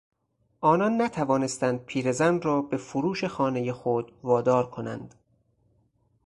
آنان نتوانستند پیرزن را به فروش خانهی خود وادار کنند.